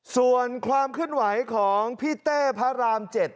ส่วนความขึ้นไหวของพี่เต้พระรามเจ็ด